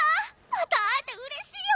また会えてうれしいよ！